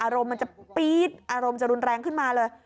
อารมณ์มันจะปี๊ดอารมณ์จะรุนแรงขึ้นมาเลย